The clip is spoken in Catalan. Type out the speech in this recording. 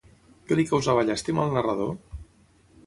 Què li causava llàstima al narrador?